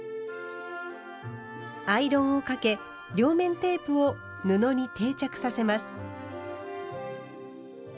アイロンをかけ両面テープを布に定着させます。